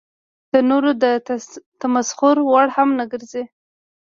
د نورو د تمسخر وړ هم نه ګرځي.